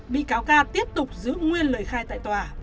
bị cáo ca tiếp tục giữ nguyên lời khai tại tòa